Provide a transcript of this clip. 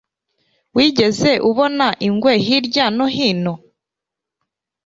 Wigeze ubona ingwe hirya no hino?